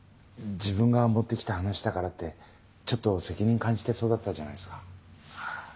自分が持って来た話だからってちょっと責任感じてそうだったじゃないですか。